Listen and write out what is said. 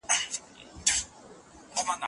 غوښه ښه پخه کړئ.